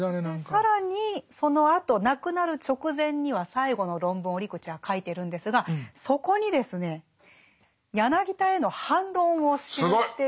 更にそのあと亡くなる直前には最後の論文を折口は書いてるんですがそこにですね柳田への反論を記しているんですね。